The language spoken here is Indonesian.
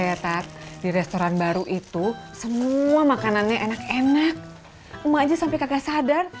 hai ternyata ya tat di restoran baru itu semua makanannya enak enak maju sampai kagak sadar